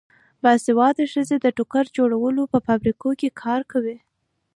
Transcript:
باسواده ښځې د ټوکر جوړولو په فابریکو کې کار کوي.